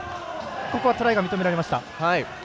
トライが認められました。